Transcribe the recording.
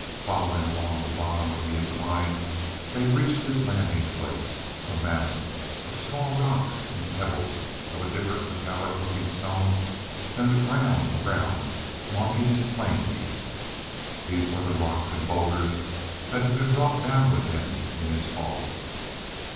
Following along the bottom of the incline they reached his landing place a mass of small rocks and pebbles of a different metallic looking stone than the ground around marking it plainly. These were the rocks and boulders that had been brought down with him in his fall.